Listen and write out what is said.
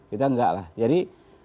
kita enggak lah jadi